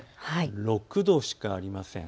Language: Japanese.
６度しかありません。